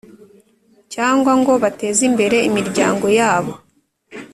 cyangwa ngo bateze imbere imiryango yabo